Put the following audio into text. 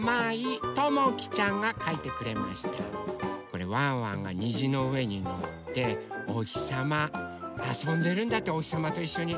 これワンワンがにじのうえにのっておひさまあそんでるんだっておひさまといっしょに。